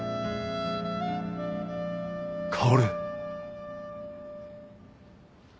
薫。